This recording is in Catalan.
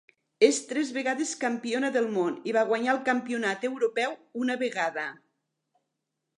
És tres vegades campiona del món i va guanyar el campionat europeu una vegada.